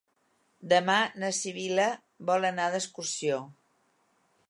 Demà na Sibil·la vol anar d'excursió.